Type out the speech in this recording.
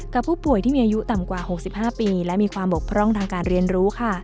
กับผู้ป่วยที่มีอายุต่ำกว่า๖๕ปีและมีความบกพร่องทางการเรียนรู้ค่ะ